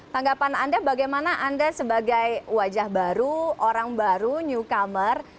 tanggapan anda bagaimana anda sebagai wajah baru orang baru newcomer